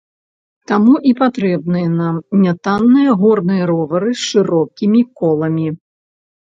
Таму і патрэбныя нам нятанныя горныя ровары з шырокімі коламі.